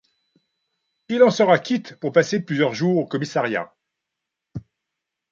Il en sera quitte pour passer plusieurs jours au commissariat.